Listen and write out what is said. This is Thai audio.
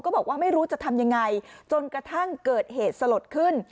บอกว่าไม่รู้จะทำยังไงจนกระทั่งเกิดเหตุสลดขึ้น